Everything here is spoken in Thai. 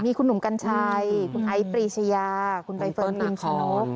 มีคุณหนุ่มกัญชัยคุณไอ้ปรีชยาคุณใบเฟิร์นพิมเขา